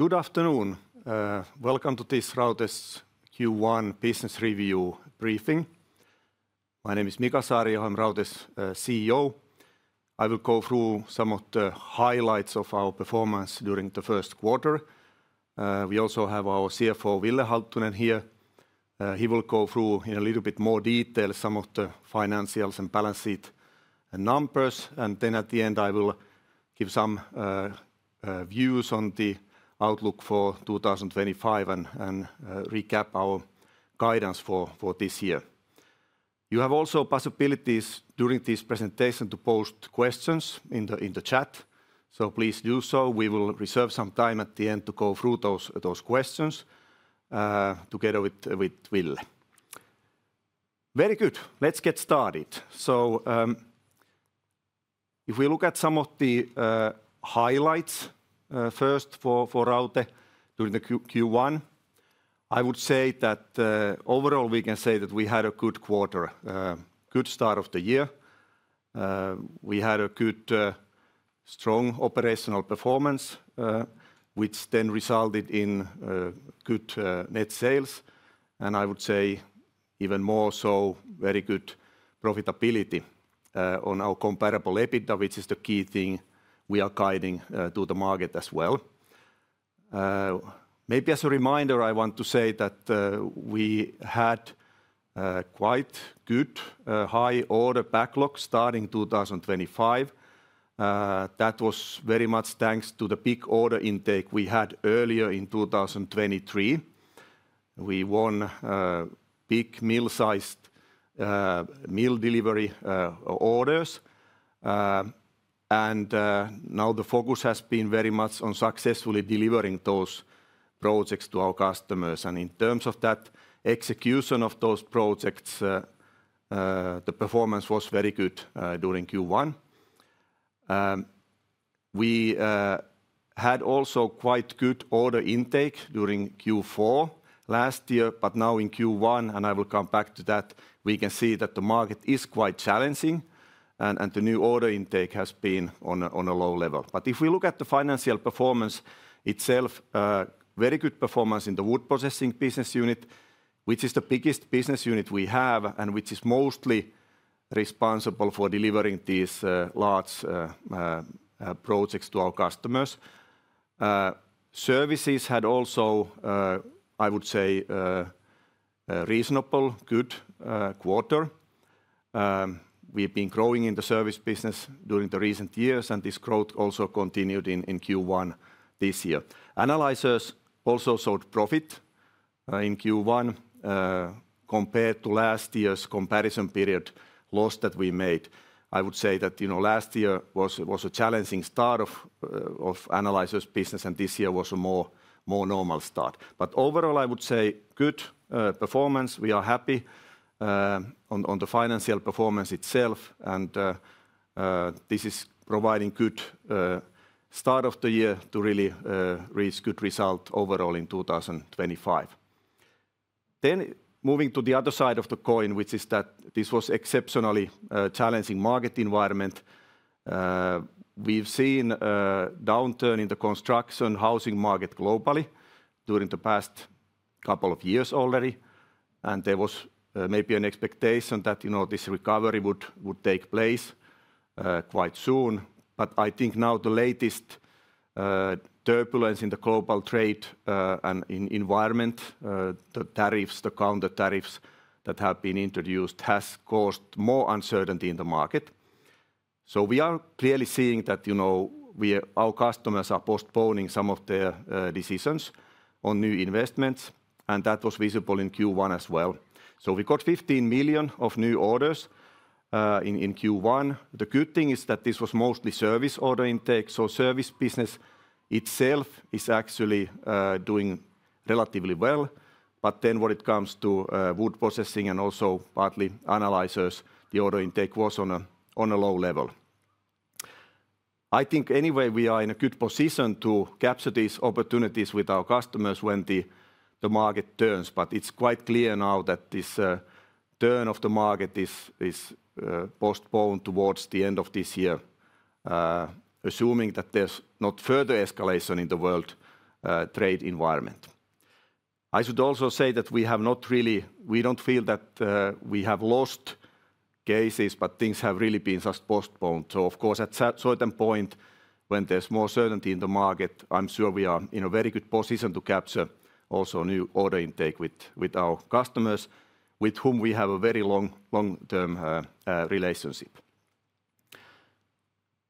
Good afternoon. Welcome to this Raute Q1 Business Review briefing. My name is Mika Saariaho, I'm Raute's CEO. I will go through some of the highlights of our performance during the first quarter. We also have our CFO, Ville Halttunen, here. He will go through in a little bit more detail some of the financials and balance sheet numbers. At the end, I will give some views on the outlook for 2025 and recap our guidance for this year. You have also possibilities during this presentation to post questions in the chat. Please do so. We will reserve some time at the end to go through those questions together with Ville. Very good. Let's get started. If we look at some of the highlights first for Raute during the Q1, I would say that overall we can say that we had a good quarter, a good start of the year. We had a good, strong operational performance, which then resulted in good net sales. I would say even more so, very good profitability on our comparable EBITDA, which is the key thing we are guiding to the market as well. Maybe as a reminder, I want to say that we had quite good high order backlog starting 2025. That was very much thanks to the big order intake we had earlier in 2023. We won big mill-sized mill delivery orders. Now the focus has been very much on successfully delivering those projects to our customers. In terms of that execution of those projects, the performance was very good during Q1. We had also quite good order intake during Q4 last year, but now in Q1, and I will come back to that, we can see that the market is quite challenging and the new order intake has been on a low level. If we look at the financial performance itself, very good performance in the wood processing business unit, which is the biggest business unit we have and which is mostly responsible for delivering these large projects to our customers. Services had also, I would say, a reasonably good quarter. We've been growing in the service business during the recent years, and this growth also continued in Q1 this year. Analyzers also showed profit in Q1 compared to last year's comparison period loss that we made. I would say that last year was a challenging start of analyzers' business, and this year was a more normal start. Overall, I would say good performance. We are happy on the financial performance itself, and this is providing a good start of the year to really reach good results overall in 2025. Moving to the other side of the coin, which is that this was an exceptionally challenging market environment. We've seen a downturn in the construction housing market globally during the past couple of years already. There was maybe an expectation that this recovery would take place quite soon. I think now the latest turbulence in the global trade and environment, the tariffs, the counter-tariffs that have been introduced, has caused more uncertainty in the market. We are clearly seeing that our customers are postponing some of their decisions on new investments, and that was visible in Q1 as well. We got 15 million of new orders in Q1. The good thing is that this was mostly service order intake. Service business itself is actually doing relatively well. Then when it comes to wood processing and also partly analyzers, the order intake was on a low level. I think anyway we are in a good position to capture these opportunities with our customers when the market turns. It is quite clear now that this turn of the market is postponed towards the end of this year, assuming that there is not further escalation in the world trade environment. I should also say that we have not really, we do not feel that we have lost cases, but things have really been just postponed. Of course at a certain point when there's more certainty in the market, I'm sure we are in a very good position to capture also new order intake with our customers, with whom we have a very long-term relationship.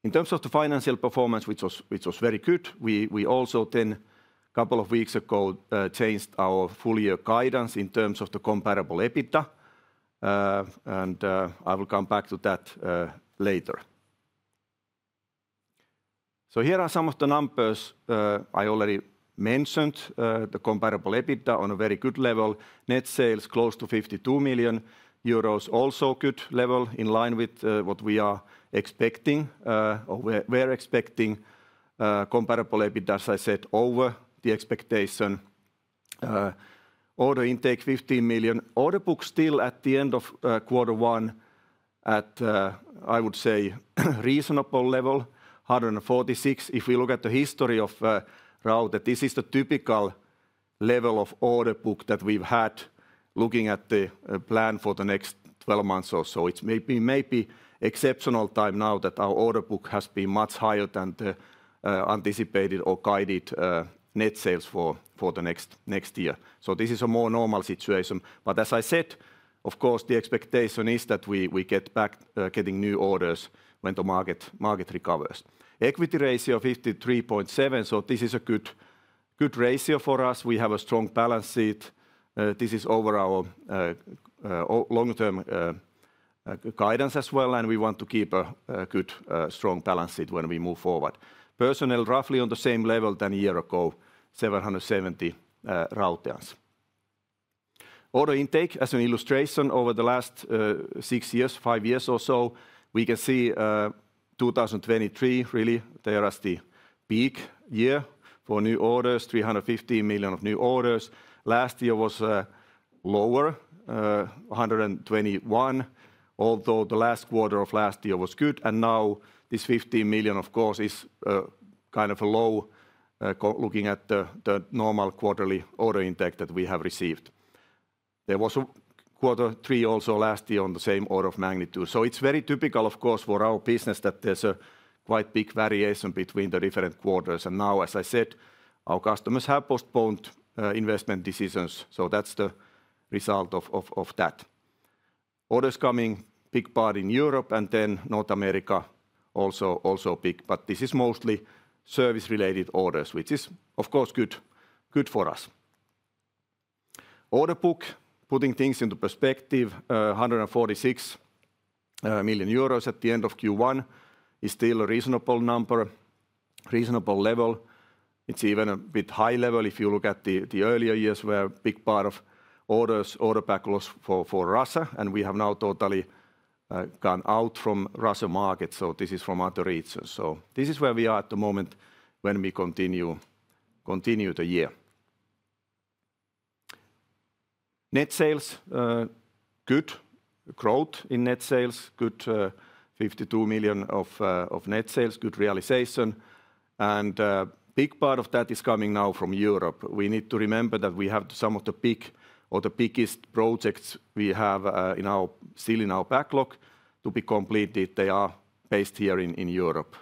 In terms of the financial performance, which was very good, we also then a couple of weeks ago changed our full-year guidance in terms of the comparable EBITDA. I will come back to that later. Here are some of the numbers I already mentioned. The comparable EBITDA on a very good level. Net sales close to 52 million euros, also a good level in line with what we are expecting. We're expecting comparable EBITDA, as I said, over the expectation. Order intake 15 million. Order book still at the end of quarter one at, I would say, reasonable level, 146 million. If we look at the history of Raute, this is the typical level of order book that we've had looking at the plan for the next 12 months or so. It may be exceptional time now that our order book has been much higher than the anticipated or guided net sales for the next year. This is a more normal situation. As I said, of course, the expectation is that we get back getting new orders when the market recovers. Equity ratio 53.7%, so this is a good ratio for us. We have a strong balance sheet. This is over our long-term guidance as well, and we want to keep a good, strong balance sheet when we move forward. Personnel, roughly on the same level than a year ago, 770 Rauteans. Order intake, as an illustration over the last six years, five years or so, we can see 2023, really, there was the peak year for new orders, 315 million of new orders. Last year was lower, 121 million, although the last quarter of last year was good. Now this 15 million, of course, is kind of a low looking at the normal quarterly order intake that we have received. There was a quarter three also last year on the same order of magnitude. It is very typical, of course, for our business that there is a quite big variation between the different quarters. Now, as I said, our customers have postponed investment decisions. That is the result of that. Orders coming, big part in Europe and then North America also big. This is mostly service-related orders, which is, of course, good for us. Order book, putting things into perspective, 146 million euros at the end of Q1 is still a reasonable number, reasonable level. It's even a bit high level if you look at the earlier years where a big part of orders, order backlogs for Russia, and we have now totally gone out from Russia market. So this is from other regions. This is where we are at the moment when we continue the year. Net sales, good growth in net sales, good 52 million of net sales, good realization. A big part of that is coming now from Europe. We need to remember that we have some of the big or the biggest projects we have still in our backlog to be completed. They are based here in Europe.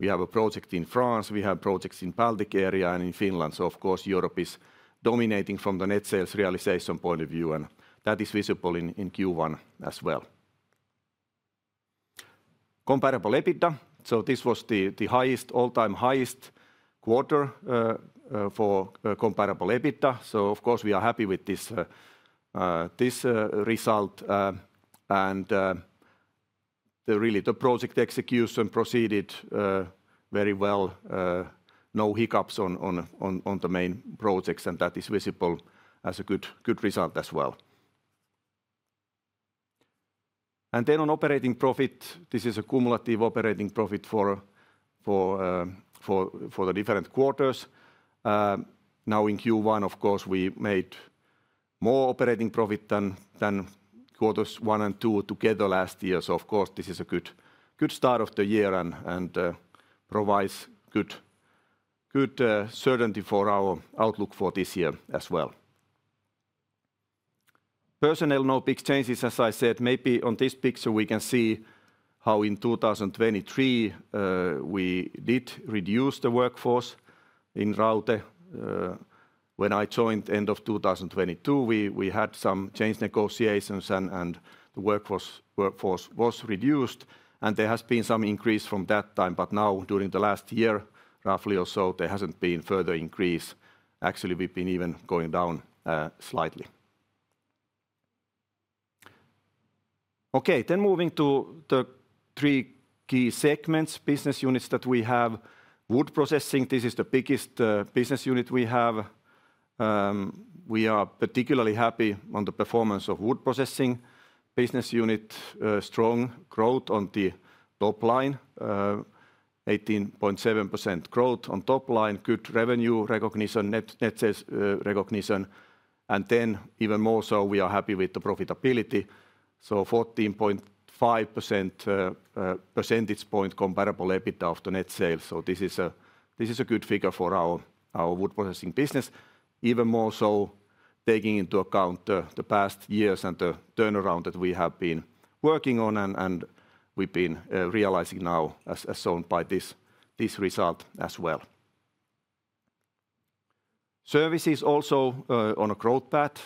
We have a project in France, we have projects in the Baltic area and in Finland. Of course, Europe is dominating from the net sales realization point of view, and that is visible in Q1 as well. Comparable EBITDA, this was the highest, all-time highest quarter for comparable EBITDA. Of course, we are happy with this result. Really, the project execution proceeded very well. No hiccups on the main projects, and that is visible as a good result as well. On operating profit, this is a cumulative operating profit for the different quarters. In Q1, of course, we made more operating profit than quarters one and two together last year. This is a good start of the year and provides good certainty for our outlook for this year as well. Personnel, no big changes, as I said. Maybe on this picture, we can see how in 2023 we did reduce the workforce in Raute. When I joined end of 2022, we had some change negotiations and the workforce was reduced. There has been some increase from that time. Now, during the last year, roughly or so, there has not been further increase. Actually, we have been even going down slightly. Okay, moving to the three key segments, business units that we have. Wood processing, this is the biggest business unit we have. We are particularly happy on the performance of wood processing business unit. Strong growth on the top line, 18.7% growth on top line. Good revenue recognition, net sales recognition. Even more so, we are happy with the profitability. 14.5 percentage points comparable EBITDA of the net sales. This is a good figure for our wood processing business. Even more so, taking into account the past years and the turnaround that we have been working on and we have been realizing now as shown by this result as well. Service is also on a growth path,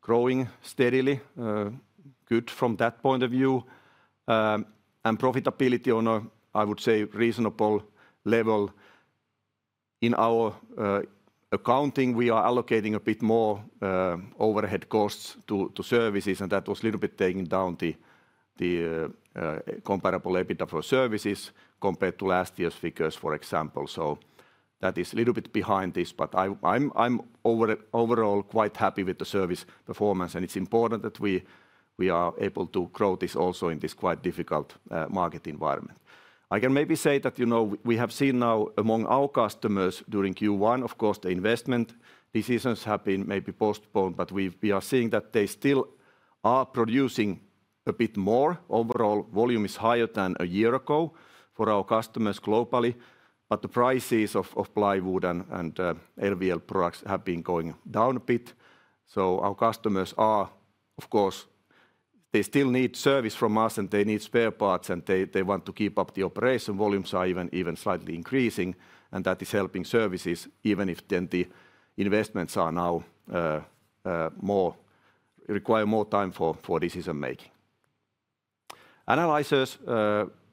growing steadily, good from that point of view. Profitability is on a, I would say, reasonable level. In our accounting, we are allocating a bit more overhead costs to services, and that was a little bit taking down the comparable EBITDA for services compared to last year's figures, for example. That is a little bit behind this, but I am overall quite happy with the service performance, and it is important that we are able to grow this also in this quite difficult market environment. I can maybe say that we have seen now among our customers during Q1, of course, the investment decisions have been maybe postponed, but we are seeing that they still are producing a bit more. Overall, volume is higher than a year ago for our customers globally. The prices of plywood and LVL products have been going down a bit. Our customers are, of course, they still need service from us and they need spare parts and they want to keep up the operation. Volumes are even slightly increasing, and that is helping services, even if then the investments now require more time for decision-making. Analyzers,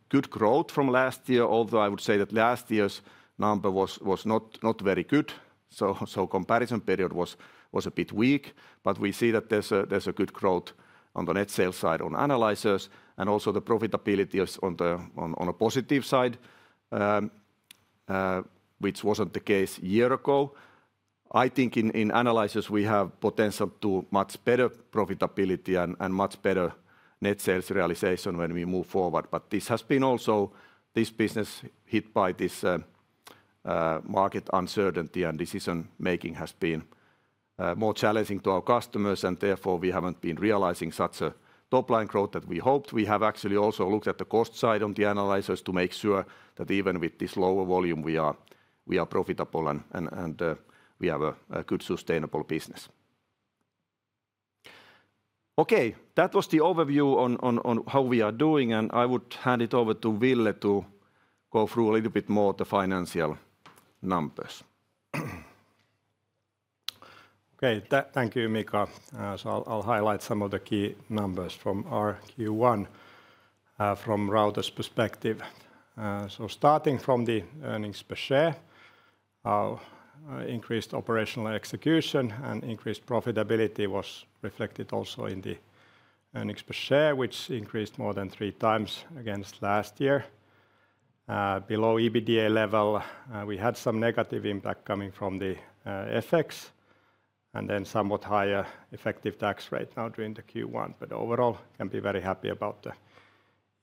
good growth from last year, although I would say that last year's number was not very good. Comparison period was a bit weak, but we see that there's a good growth on the net sales side on analyzers and also the profitability is on a positive side, which wasn't the case a year ago. I think in analyzers we have potential to much better profitability and much better net sales realization when we move forward. This has been also this business hit by this market uncertainty and decision-making has been more challenging to our customers, and therefore we haven't been realizing such a top-line growth that we hoped. We have actually also looked at the cost side on the analyzers to make sure that even with this lower volume we are profitable and we have a good sustainable business. Okay, that was the overview on how we are doing, and I would hand it over to Ville to go through a little bit more of the financial numbers. Okay, thank you, Mika. So I'll highlight some of the key numbers from our Q1 from Raute's perspective. Starting from the earnings per share, increased operational execution and increased profitability was reflected also in the earnings per share, which increased more than three times against last year. Below EBITDA level, we had some negative impact coming from the FX and then somewhat higher effective tax rate now during the Q1, but overall can be very happy about the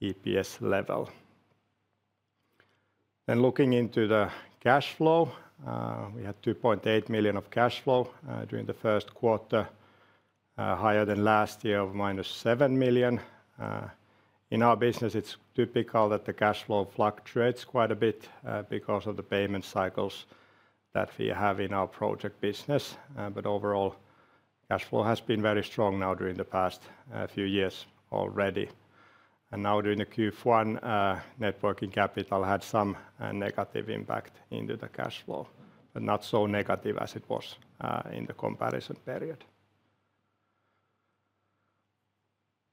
EPS level. Looking into the cash flow, we had 2.8 million of cash flow during the first quarter, higher than last year of -7 million. In our business, it's typical that the cash flow fluctuates quite a bit because of the payment cycles that we have in our project business. Overall, cash flow has been very strong now during the past few years already. Now during Q1, net working capital had some negative impact into the cash flow, but not so negative as it was in the comparison period.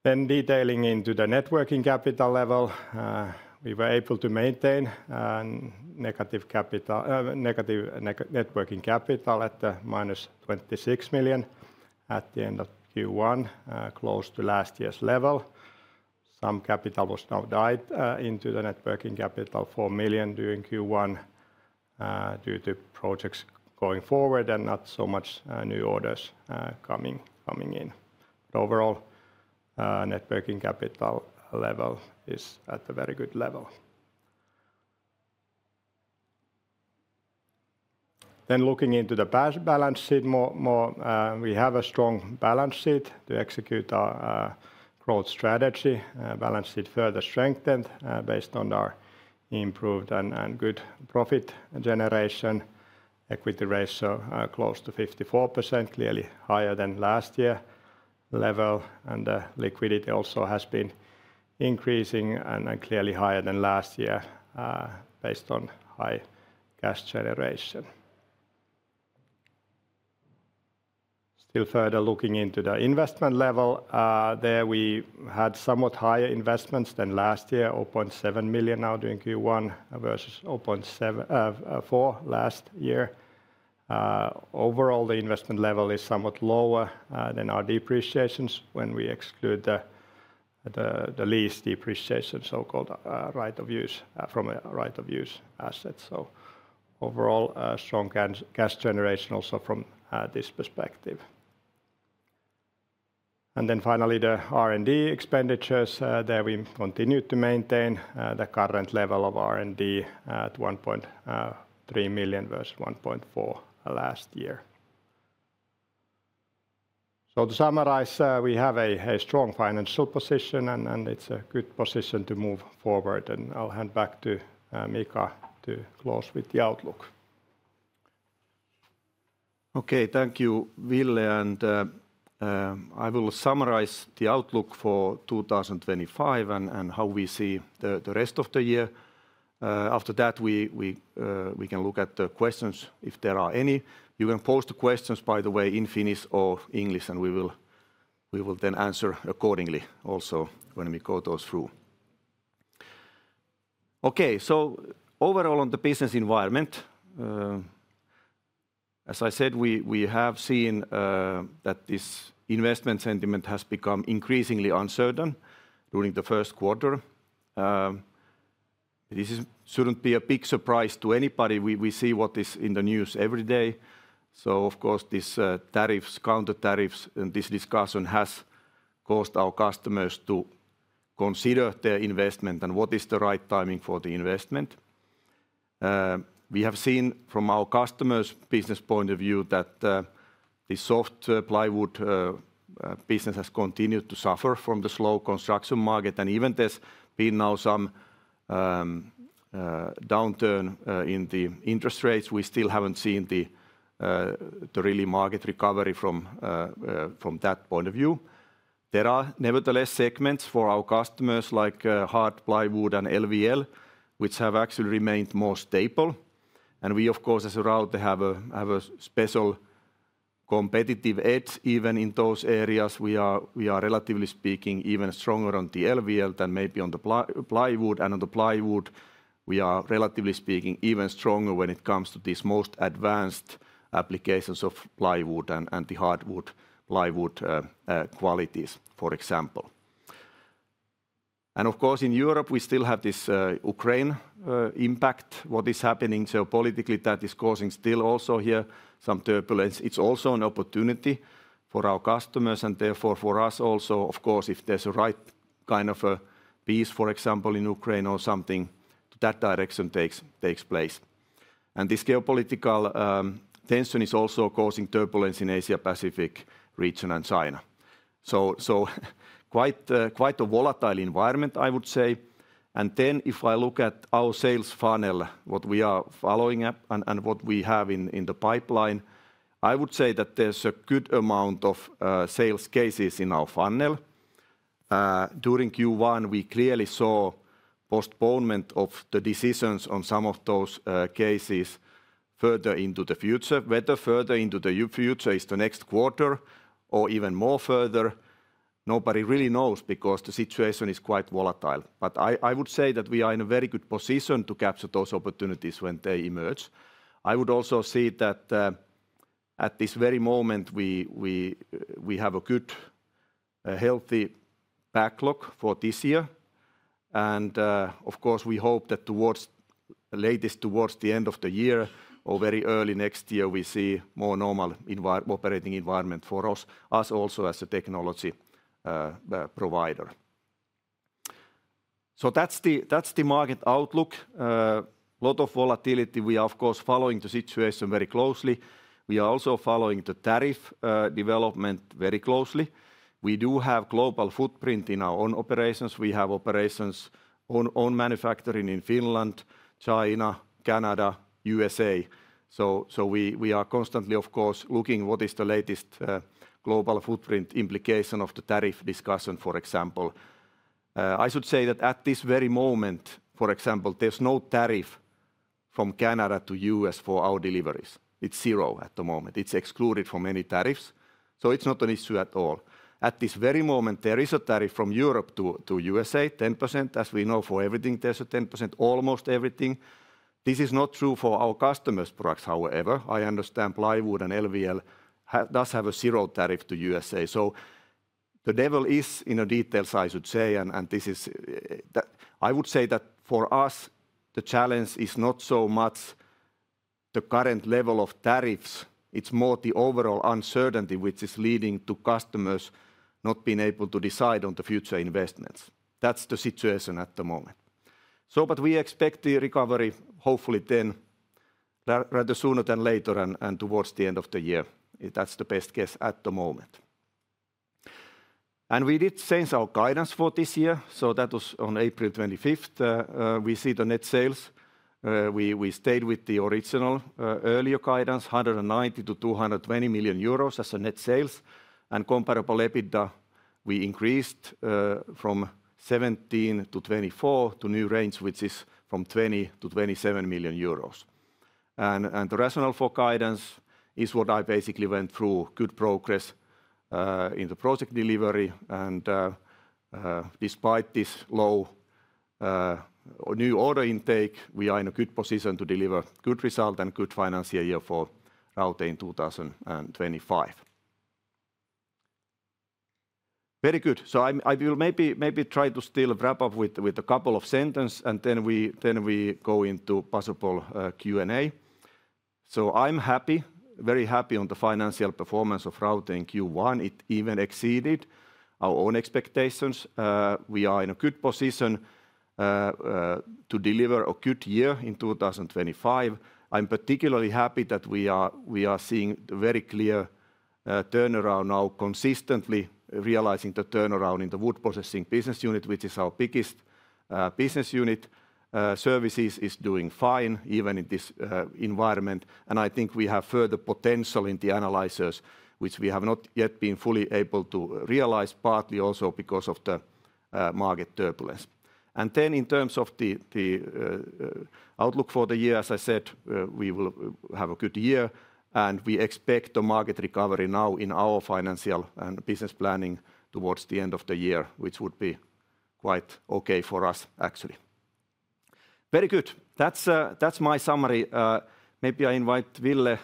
Detailing into the net working capital level, we were able to maintain negative net working capital at 26 million at the end of Q1, close to last year's level. Some capital was now tied into the net working capital, 4 million during Q1 due to projects going forward and not so much new orders coming in. Overall, net working capital level is at a very good level. Looking into the balance sheet more, we have a strong balance sheet to execute our growth strategy. Balance sheet further strengthened based on our improved and good profit generation. Equity ratio close to 54%, clearly higher than last year level, and the liquidity also has been increasing and clearly higher than last year based on high cash generation. Still further looking into the investment level, there we had somewhat higher investments than last year, 0.7 million now during Q1 versus 0.4 million last year. Overall, the investment level is somewhat lower than our depreciations when we exclude the lease depreciation, so-called right of use from a right of use asset. Overall, strong cash generation also from this perspective. Finally, the R&D expenditures, there we continue to maintain the current level of R&D at 1.3 million versus 1.4 million last year. To summarize, we have a strong financial position and it's a good position to move forward. I'll hand back to Mika to close with the outlook. Okay, thank you, Ville. I will summarize the outlook for 2025 and how we see the rest of the year. After that, we can look at the questions if there are any. You can post the questions, by the way, in Finnish or English, and we will then answer accordingly also when we go those through. Okay, overall on the business environment, as I said, we have seen that this investment sentiment has become increasingly uncertain during the first quarter. This should not be a big surprise to anybody. We see what is in the news every day. Of course, these tariffs, counter-tariffs, and this discussion has caused our customers to consider their investment and what is the right timing for the investment. We have seen from our customers' business point of view that the soft plywood business has continued to suffer from the slow construction market, and even though there has been now some downturn in the interest rates, we still have not seen the real market recovery from that point of view. There are nevertheless segments for our customers like hard plywood and LVL, which have actually remained more stable. We, of course, as Raute, have a special competitive edge even in those areas. We are, relatively speaking, even stronger on the LVL than maybe on the plywood, and on the plywood, we are, relatively speaking, even stronger when it comes to these most advanced applications of plywood and the hardwood plywood qualities, for example. Of course, in Europe, we still have this Ukraine impact. What is happening geopolitically is causing still also here some turbulence. It's also an opportunity for our customers and therefore for us also, of course, if there's a right kind of a peace, for example, in Ukraine or something to that direction takes place. This geopolitical tension is also causing turbulence in Asia-Pacific region and China. Quite a volatile environment, I would say. If I look at our sales funnel, what we are following up and what we have in the pipeline, I would say that there's a good amount of sales cases in our funnel. During Q1, we clearly saw postponement of the decisions on some of those cases further into the future. Whether further into the future is the next quarter or even more further, nobody really knows because the situation is quite volatile. I would say that we are in a very good position to capture those opportunities when they emerge. I would also see that at this very moment, we have a good, healthy backlog for this year. Of course, we hope that towards the latest, towards the end of the year or very early next year, we see more normal operating environment for us also as a technology provider. That is the market outlook. A lot of volatility. We are, of course, following the situation very closely. We are also following the tariff development very closely. We do have global footprint in our own operations. We have operations on manufacturing in Finland, China, Canada, USA. We are constantly, of course, looking at what is the latest global footprint implication of the tariff discussion, for example. I should say that at this very moment, for example, there is no tariff from Canada to U.S. for our deliveries. It is zero at the moment. It is excluded from any tariffs. It's not an issue at all. At this very moment, there is a tariff from Europe to USA, 10%. As we know, for everything, there's a 10%, almost everything. This is not true for our customers' products, however. I understand plywood and LVL does have a zero tariff to USA. The devil is in the details, I should say. I would say that for us, the challenge is not so much the current level of tariffs. It's more the overall uncertainty, which is leading to customers not being able to decide on the future investments. That's the situation at the moment. We expect the recovery, hopefully then rather sooner than later and towards the end of the year. That's the best guess at the moment. We did change our guidance for this year. That was on April 25th. We see the net sales. We stayed with the original earlier guidance, 190 million-220 million euros as a net sales. Comparable EBITDA, we increased from 17 million-24 million to new range, which is from 20 million-27 million euros. The rationale for guidance is what I basically went through, good progress in the project delivery. Despite this low new order intake, we are in a good position to deliver good result and good financial year for Raute in 2025. Very good. I will maybe try to still wrap up with a couple of sentences and then we go into possible Q&A. I am happy, very happy on the financial performance of Raute in Q1. It even exceeded our own expectations. We are in a good position to deliver a good year in 2025. I'm particularly happy that we are seeing a very clear turnaround now, consistently realizing the turnaround in the wood processing business unit, which is our biggest business unit. Services is doing fine even in this environment. I think we have further potential in the analyzers, which we have not yet been fully able to realize, partly also because of the market turbulence. In terms of the outlook for the year, as I said, we will have a good year and we expect a market recovery now in our financial and business planning towards the end of the year, which would be quite okay for us, actually. Very good. That's my summary. Maybe I invite Ville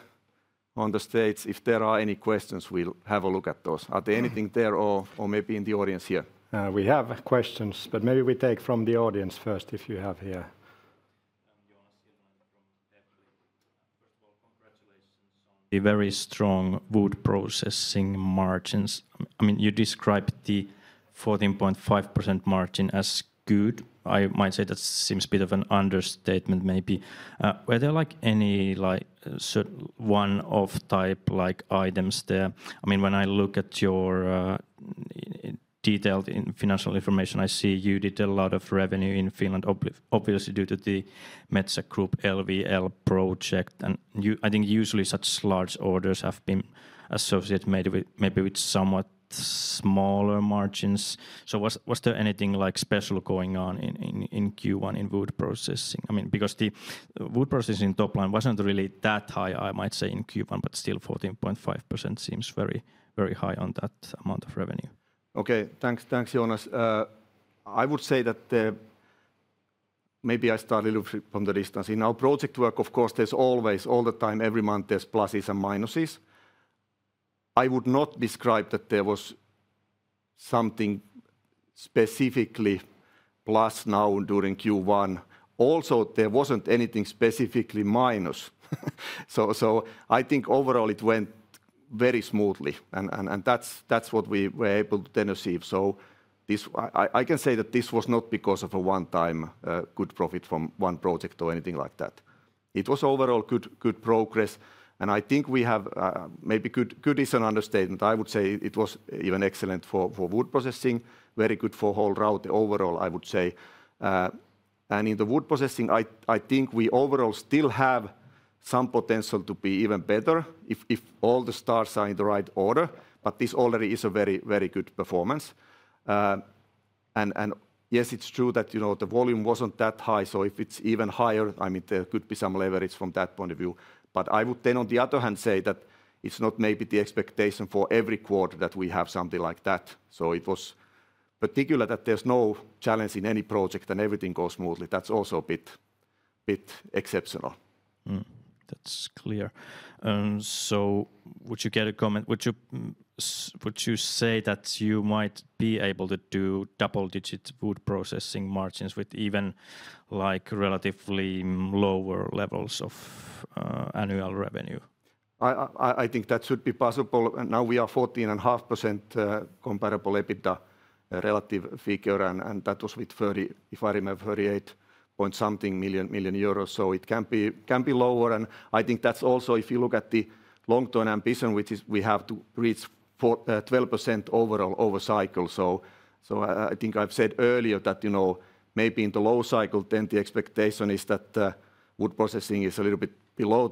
on the stage. If there are any questions, we'll have a look at those. Are there anything there or maybe in the audience here? We have questions, but maybe we take from the audience first if you have here. Joonas Ilvonen from Evli. First of all, congratulations on the very strong wood processing margins. I mean, you described the 14.5% margin as good. I might say that seems a bit of an understatement maybe. Were there like any one-off type items there? I mean, when I look at your detailed financial information, I see you did a lot of revenue in Finland, obviously due to the Metsä Group LVL project. And I think usually such large orders have been associated maybe with somewhat smaller margins. So was there anything like special going on in Q1 in wood processing? I mean, because the wood processing top line was not really that high, I might say, in Q1, but still 14.5% seems very high on that amount of revenue. Okay, thanks, Joonas. I would say that maybe I start a little bit from the distance. In our project work, of course, there's always all the time, every month, there's pluses and minuses. I would not describe that there was something specifically plus now during Q1. Also, there wasn't anything specifically minus. I think overall it went very smoothly. That is what we were able to then achieve. I can say that this was not because of a one-time good profit from one project or anything like that. It was overall good progress. I think we have maybe good is an understatement. I would say it was even excellent for wood processing. Very good for whole Raute overall, I would say. In the wood processing, I think we overall still have some potential to be even better if all the stars are in the right order. This already is a very, very good performance. Yes, it's true that the volume wasn't that high. If it's even higher, there could be some leverage from that point of view. I would then, on the other hand, say that it's not maybe the expectation for every quarter that we have something like that. It was particular that there's no challenge in any project and everything goes smoothly. That's also a bit exceptional. That's clear. Would you get a comment? Would you say that you might be able to do double-digit wood processing margins with even like relatively lower levels of annual revenue? I think that should be possible. Now we are at 14.5% comparable EBITDA relative figure and that was with EUR 38.something million. It can be lower. I think that's also if you look at the long-term ambition, which is we have to reach 12% overall over cycle. I think I've said earlier that maybe in the low cycle then the expectation is that wood processing is a little bit below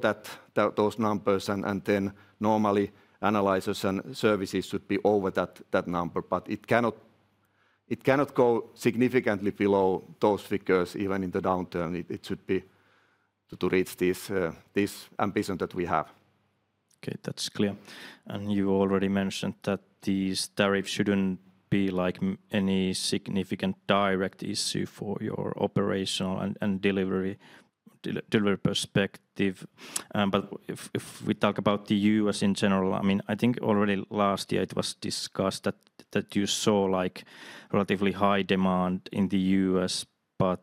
those numbers and then normally analyzers and services should be over that number. It cannot go significantly below those figures even in the downturn. It should be to reach this ambition that we have. Okay, that's clear. You already mentioned that these tariffs shouldn't be like any significant direct issue for your operational and delivery perspective. If we talk about the U.S. in general, I mean, I think already last year it was discussed that you saw like relatively high demand in the U.S., but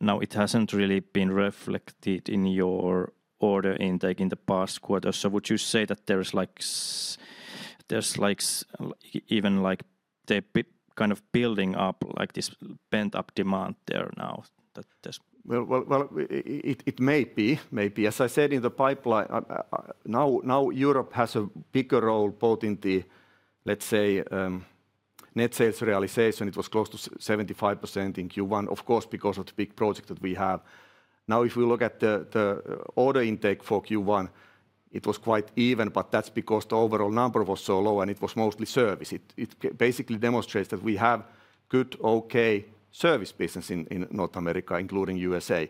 now it hasn't really been reflected in your order intake in the past quarter. Would you say that there's like even like they're kind of building up like this pent-up demand there now? It may be. Maybe. As I said in the pipeline, now Europe has a bigger role both in the, let's say, net sales realization. It was close to 75% in Q1, of course, because of the big project that we have. Now, if we look at the order intake for Q1, it was quite even, but that's because the overall number was so low and it was mostly service. It basically demonstrates that we have good, okay service business in North America, including USA.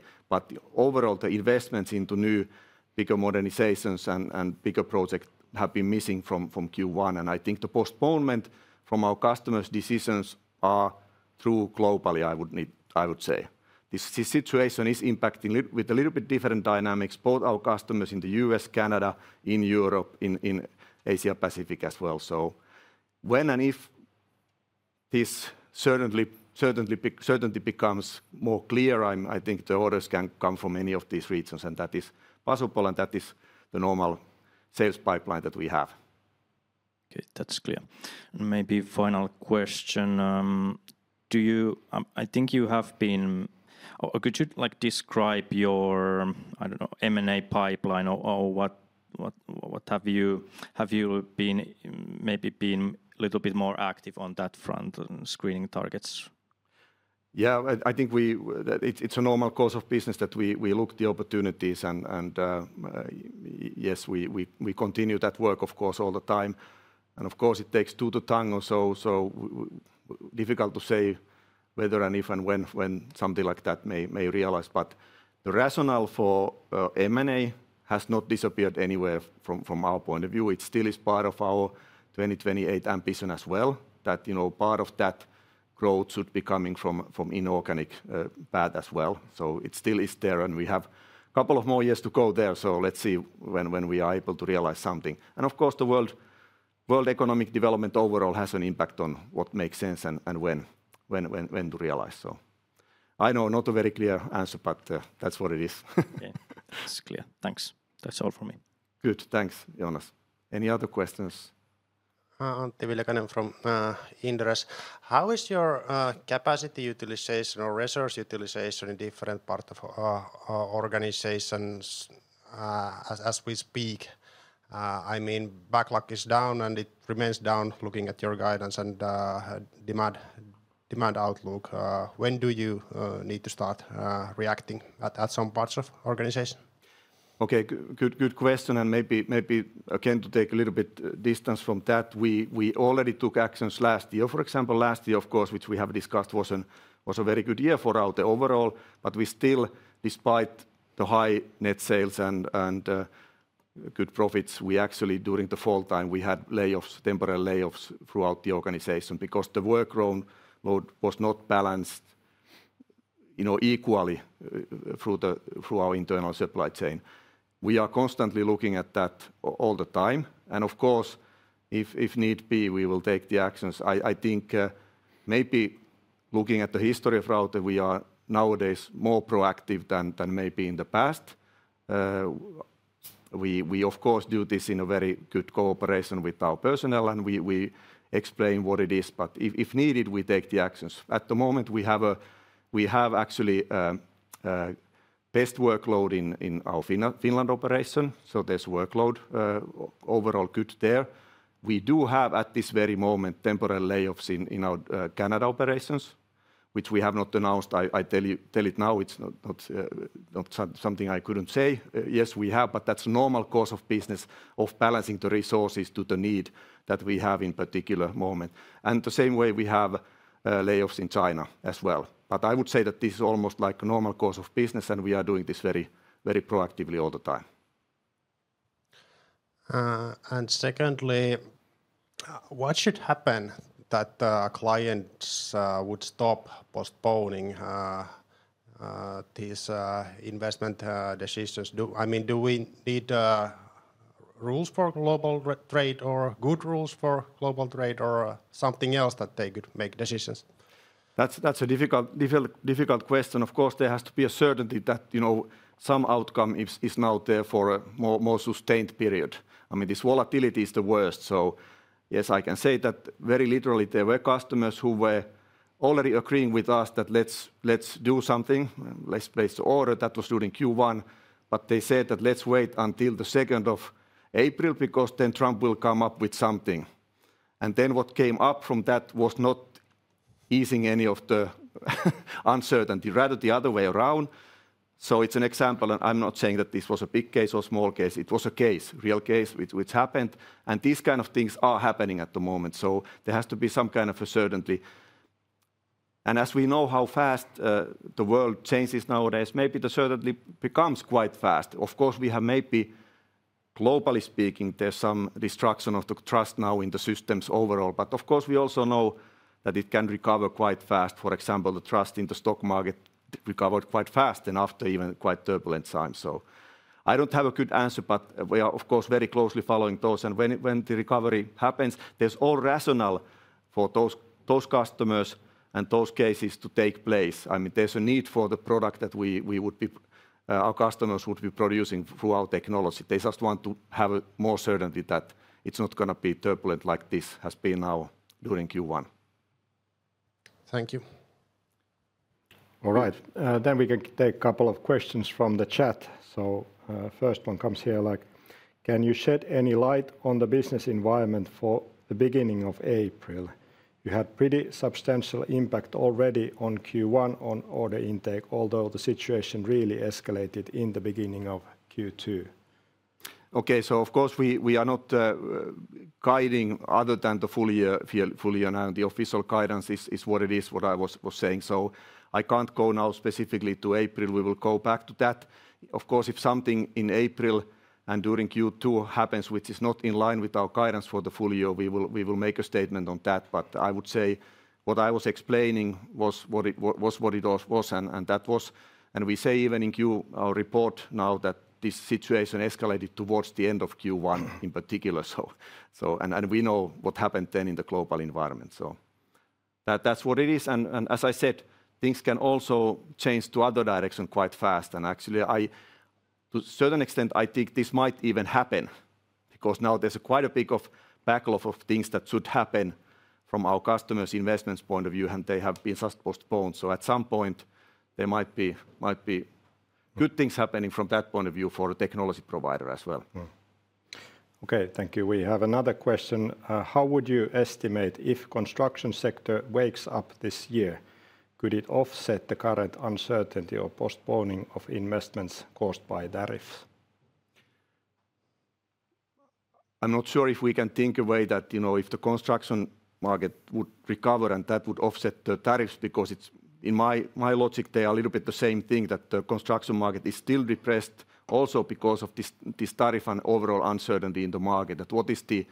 Overall, the investments into new bigger modernizations and bigger projects have been missing from Q1. I think the postponement from our customers' decisions are through globally, I would say. This situation is impacting with a little bit different dynamics, both our customers in the U.S., Canada, in Europe, in Asia-Pacific as well. When and if this certainly becomes more clear, I think the orders can come from any of these regions. That is possible and that is the normal sales pipeline that we have. Okay, that's clear. Maybe final question. I think you have been, or could you like describe your, I don't know, M&A pipeline or what have you been maybe been a little bit more active on that front and screening targets? Yeah, I think it's a normal course of business that we look at the opportunities and yes, we continue that work, of course, all the time. Of course, it takes two to tango. Difficult to say whether and if and when something like that may realize. But the rationale for M&A has not disappeared anywhere from our point of view. It still is part of our 2028 ambition as well that part of that growth should be coming from inorganic pad as well. It still is there and we have a couple of more years to go there. Let's see when we are able to realize something. Of course, the world economic development overall has an impact on what makes sense and when to realize. I know not a very clear answer, but that's what it is. Okay, that's clear. Thanks. That's all for me. Good. Thanks, Joonas. Any other questions? Antti Viljakainen from Inderes. How is your capacity utilization or resource utilization in different parts of organizations as we speak? I mean, backlog is down and it remains down looking at your guidance and demand outlook. When do you need to start reacting at some parts of organization? Okay, good question. Maybe again to take a little bit distance from that, we already took actions last year. For example, last year, of course, which we have discussed was a very good year for Raute overall. We still, despite the high net sales and good profits, actually during the fall time, we had temporary layoffs throughout the organization because the workload was not balanced equally through our internal supply chain. We are constantly looking at that all the time. Of course, if need be, we will take the actions. I think maybe looking at the history of Raute, we are nowadays more proactive than maybe in the past. We, of course, do this in a very good cooperation with our personnel and we explain what it is. If needed, we take the actions. At the moment, we have actually best workload in our Finland operation. So there's workload overall good there. We do have at this very moment temporary layoffs in our Canada operations, which we have not announced. I tell it now. It's not something I couldn't say. Yes, we have, but that's a normal course of business of balancing the resources to the need that we have in particular moment. The same way we have layoffs in China as well. I would say that this is almost like a normal course of business and we are doing this very proactively all the time. Secondly, what should happen that clients would stop postponing these investment decisions? I mean, do we need rules for global trade or good rules for global trade or something else that they could make decisions? That's a difficult question. Of course, there has to be a certainty that some outcome is now there for a more sustained period. I mean, this volatility is the worst. Yes, I can say that very literally there were customers who were already agreeing with us that let's do something, let's place the order. That was during Q1. They said that let's wait until the 2nd of April because then Trump will come up with something. What came up from that was not easing any of the uncertainty, rather the other way around. It's an example. I'm not saying that this was a big case or small case. It was a case, real case which happened. These kind of things are happening at the moment. There has to be some kind of a certainty. As we know how fast the world changes nowadays, maybe the certainty becomes quite fast. Of course, we have maybe globally speaking, there's some destruction of the trust now in the systems overall. Of course, we also know that it can recover quite fast. For example, the trust in the stock market recovered quite fast after even quite turbulent times. I do not have a good answer, but we are of course very closely following those. When the recovery happens, there is all rationale for those customers and those cases to take place. I mean, there is a need for the product that we would be, our customers would be producing through our technology. They just want to have more certainty that it is not going to be turbulent like this has been now during Q1. Thank you. All right. We can take a couple of questions from the chat. The first one comes here: can you shed any light on the business environment for the beginning of April? You had pretty substantial impact already on Q1 on order intake, although the situation really escalated in the beginning of Q2. Of course, we are not guiding other than the full year now. The official guidance is what it is, what I was saying. I cannot go now specifically to April. We will go back to that. Of course, if something in April and during Q2 happens, which is not in line with our guidance for the full year, we will make a statement on that. I would say what I was explaining was what it was and that was. We say even in Q, our report now that this situation escalated towards the end of Q1 in particular. We know what happened then in the global environment. That is what it is. As I said, things can also change to other directions quite fast. Actually, to a certain extent, I think this might even happen because now there is quite a big backlog of things that should happen from our customers' investments point of view, and they have been just postponed. At some point, there might be good things happening from that point of view for the technology provider as well. Okay, thank you. We have another question. How would you estimate if the construction sector wakes up this year? Could it offset the current uncertainty or postponing of investments caused by tariffs? I'm not sure if we can think away that if the construction market would recover and that would offset the tariffs because in my logic, they are a little bit the same thing that the construction market is still depressed also because of this tariff and overall uncertainty in the market. What is the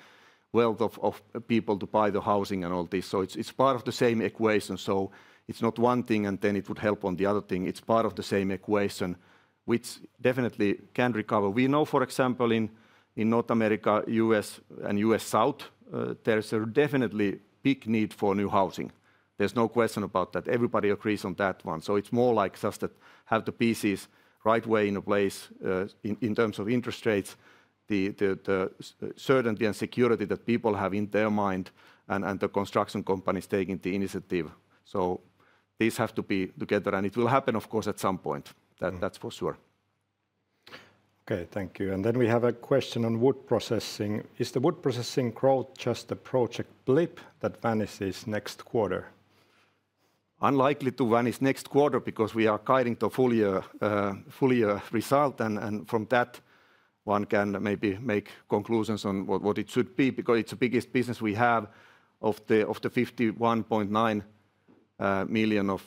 wealth of people to buy the housing and all this? It is part of the same equation. It is not one thing and then it would help on the other thing. It is part of the same equation which definitely can recover. We know, for example, in North America, U.S., and U.S. South, there is a definitely big need for new housing. There is no question about that. Everybody agrees on that one. It's more like just that have the pieces right way in a place in terms of interest rates, the certainty and security that people have in their mind and the construction companies taking the initiative. These have to be together. It will happen, of course, at some point. That's for sure. Okay, thank you. Then we have a question on wood processing. Is the wood processing growth just a project blip that vanishes next quarter? Unlikely to vanish next quarter because we are guiding the full year result. From that, one can maybe make conclusions on what it should be because it's the biggest business we have of the 51.9 million of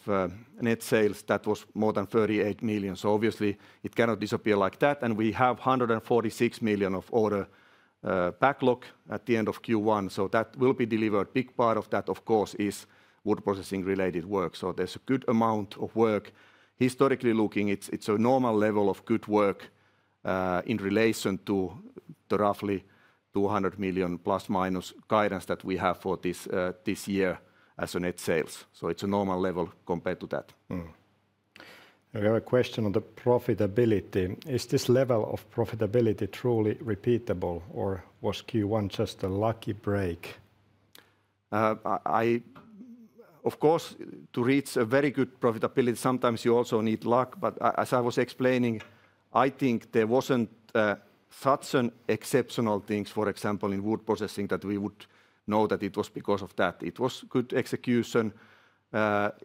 net sales. That was more than 38 million. Obviously, it cannot disappear like that. We have 146 million of order backlog at the end of Q1. That will be delivered. Big part of that, of course, is wood processing related work. So there's a good amount of work. Historically looking, it's a normal level of good work in relation to the roughly 200 million plus minus guidance that we have for this year as a net sales. It's a normal level compared to that. We have a question on the profitability. Is this level of profitability truly repeatable or was Q1 just a lucky break? Of course, to reach a very good profitability, sometimes you also need luck. As I was explaining, I think there wasn't such exceptional things, for example, in wood processing that we would know that it was because of that. It was good execution.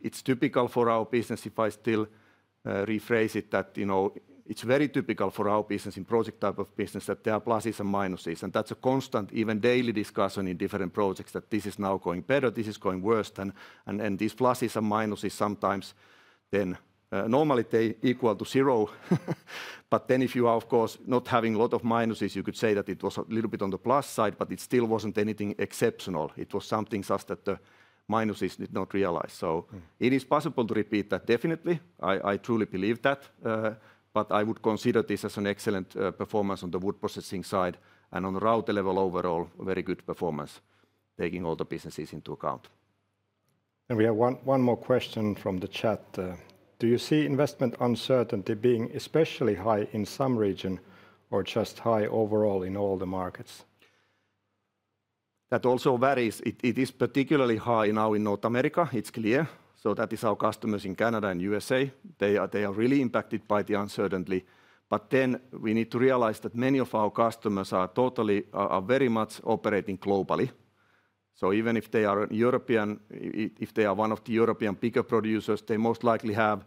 It's typical for our business, if I still rephrase it, that it's very typical for our business in project type of business that there are pluses and minuses. That is a constant, even daily discussion in different projects that this is now going better, this is going worse. These pluses and minuses sometimes then normally they equal to zero. If you are, of course, not having a lot of minuses, you could say that it was a little bit on the plus side, but it still was not anything exceptional. It was something such that the minuses did not realize. It is possible to repeat that definitely. I truly believe that. I would consider this as an excellent performance on the wood processing side and on the Raute level overall, very good performance taking all the businesses into account. We have one more question from the chat. Do you see investment uncertainty being especially high in some region or just high overall in all the markets? That also varies. It is particularly high now in North America. It's clear. That is our customers in Canada and USA. They are really impacted by the uncertainty. We need to realize that many of our customers are very much operating globally. Even if they are one of the European bigger producers, they most likely have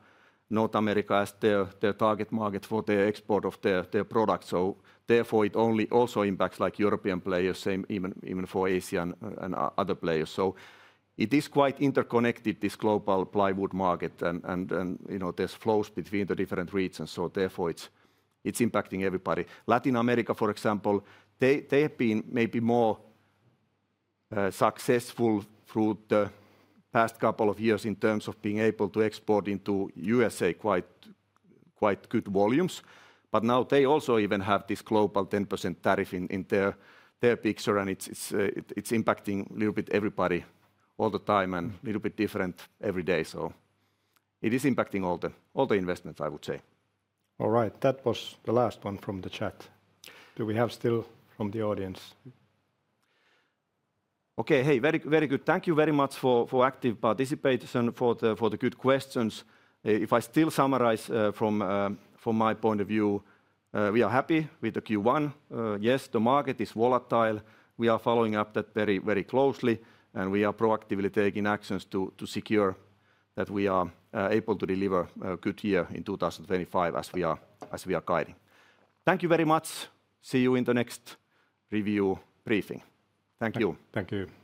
North America as their target market for their export of their products. Therefore, it also impacts European players, even for Asian and other players. It is quite interconnected, this global plywood market, and there are flows between the different regions. Therefore, it's impacting everybody. Latin America, for example, they have been maybe more successful through the past couple of years in terms of being able to export into USA quite good volumes. Now they also even have this global 10% tariff in their picture and it's impacting a little bit everybody all the time and a little bit different every day. It is impacting all the investments, I would say. All right. That was the last one from the chat. Do we have still from the audience? Okay. Hey, very good. Thank you very much for active participation, for the good questions. If I still summarize from my point of view, we are happy with the Q1. Yes, the market is volatile. We are following up that very closely and we are proactively taking actions to secure that we are able to deliver a good year in 2025 as we are guiding. Thank you very much. See you in the next review briefing. Thank you. Thank you.